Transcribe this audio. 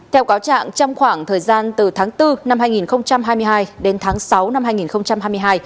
theo cáo trạng trong khoảng thời gian từ tháng bốn năm hai nghìn hai mươi hai đến tháng sáu năm hai nghìn hai mươi hai